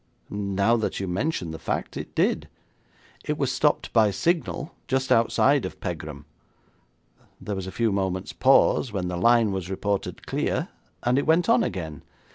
'Now that you mention the fact, it did. It was stopped by signal just outside of Pegram. There was a few moments' pause, when the line was reported clear, and it went on again.